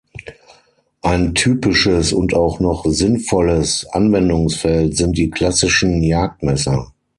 Ein typisches und auch noch sinnvolles Anwendungsfeld sind die klassischen Jagdmesser.